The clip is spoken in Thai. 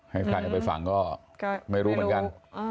ให้ใครเอาไปฝังก็ไม่รู้เหมือนกัน